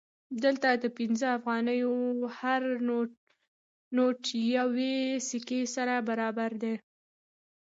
دلته د پنځه افغانیو هر نوټ یوې سکې سره برابر دی